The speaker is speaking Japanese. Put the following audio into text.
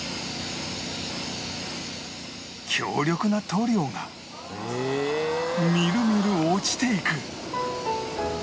強力な塗料がみるみる落ちていく